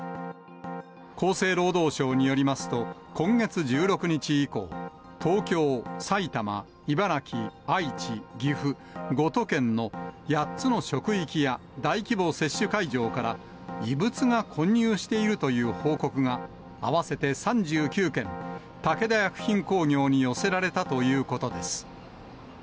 厚生労働省によりますと、今月１６日以降、東京、埼玉、茨城、愛知、岐阜５都県の８つの職域や大規模接種会場から異物が混入しているという報告が、合わせて３９件、武田薬品工業に寄せられたということです。